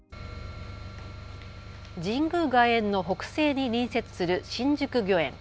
神宮外苑の北西に隣接する新宿御苑。